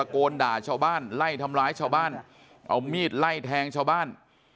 โกนด่าชาวบ้านไล่ทำร้ายชาวบ้านเอามีดไล่แทงชาวบ้าน